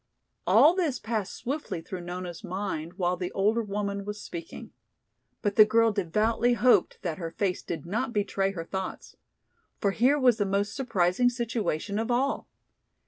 All this passed swiftly through Nona's mind while the older woman was speaking. But the girl devoutly hoped that her face did not betray her thoughts. For here was the most surprising situation of all!